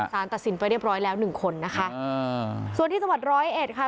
สารตัดสินไปเรียบร้อยแล้วหนึ่งคนนะคะอ่าส่วนที่จังหวัดร้อยเอ็ดค่ะ